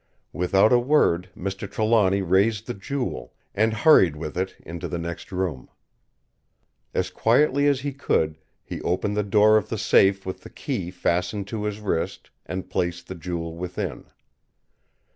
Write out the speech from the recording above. Without a word Mr. Trelawny raised the Jewel, and hurried with it into the next room. As quietly as he could he opened the door of the safe with the key fastened to his wrist and placed the Jewel within.